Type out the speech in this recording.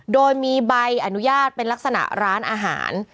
โดยมีใบอนุญาตเป็นลักษณะร้านอาหาร